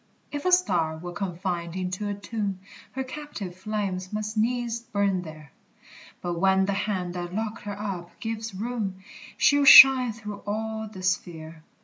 If a star were confined into a tomb, Her captive flames must needs burn there, But when the hand that locked her up gives room, She'll shine through all the sphere.